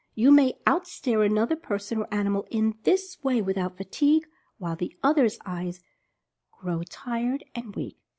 You may out stare another person, or animal, in this way, without fatigue, while the other's eyes grow tired and weak.